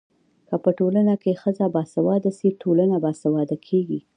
که په ټولنه کي ښځه باسواده سي ټولنه باسواده کيږي.